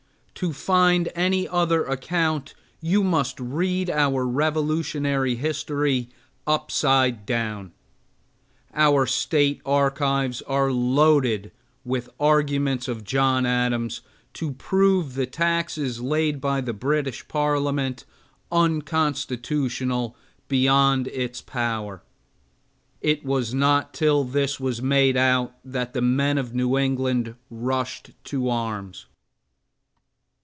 To find any other account, you must read our Revolutionary history upside down. Our State archives are loaded with arguments of John Adams to prove the taxes laid by the British Parliament unconstitutional, beyond its power. It was not till this was made out that the men of New England rushed to arms.